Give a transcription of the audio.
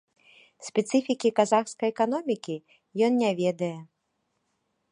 Спецыфікі казахскай эканомікі ён не ведае.